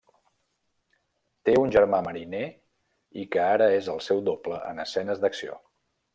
Té un germà mariner i que ara és el seu doble en escenes d'acció.